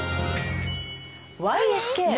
ＹＳＫ。